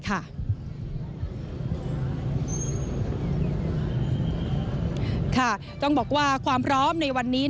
ค่ะต้องบอกว่าความพร้อมในวันนี้